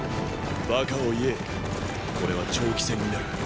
バカを言えこれは長期戦になる。